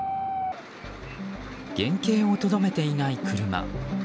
原形をとどめていない車。